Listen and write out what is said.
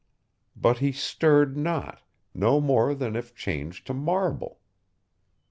But he stirred not, no more than if changed to marble.